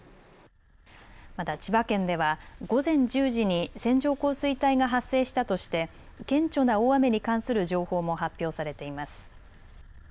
また千葉県では午前１０時に線状降水帯が発生したとして顕著な大雨に関する情報も発表されています。